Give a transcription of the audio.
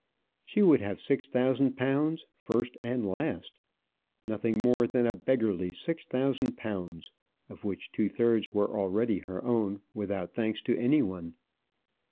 She would have six thousand pounds, first and last. Nothing more than a beggarly six thousand pounds, of which two thirds were already her own without thanks to any one.